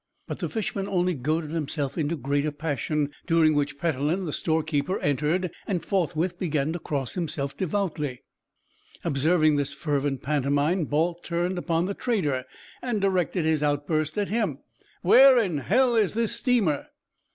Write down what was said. But the fisherman only goaded himself into a greater passion, during which Petellin, the storekeeper, entered, and forthwith began to cross himself devoutly. Observing this fervent pantomime, Balt turned upon the trader and directed his outburst at him: "Where in hell is this steamer?"